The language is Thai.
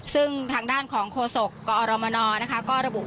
ซึ่งทางด้านของโคศกกองอำนวยการรับบุคว่า